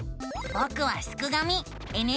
ぼくはすくがミ。